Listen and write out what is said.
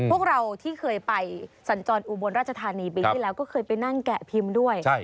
พวกเราที่เคยไปสัญจรอุบลราชธานีปีที่แล้วก็เคยไปนั่งแกะพิมพ์ด้วย